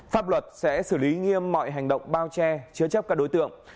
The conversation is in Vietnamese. pháp luật sẽ xử lý nghiêm mọi hành động bao che chứa chấp các đối tượng